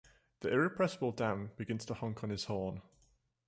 The irrepressible Dan begins to honk on his horn.